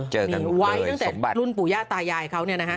เจอกันโดยสมบัติวัยตั้งแต่รุ่นปู่ย่าตายายเขา